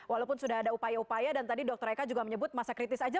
walaupun sudah ada upaya upaya dan tadi dr eka juga menyebut masa kritis aja